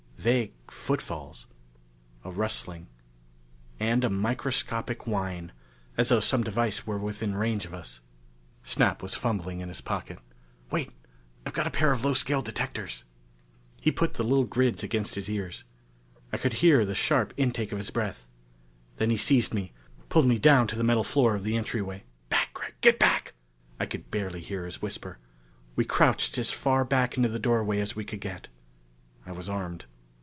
Vague footfalls. A rustling. And a microscopic whine, as though some device were within range of us. Snap was fumbling in his pocket. "Wait! I've got a pair of low scale detectors." He put the little grids against his ears. I could hear the sharp intake of his breath. Then he seized me, pulled me down to the metal floor of the entryway. "Back, Gregg! Get back!" I could barely hear his whisper. We crouched as far back into the doorway as we could get. I was armed.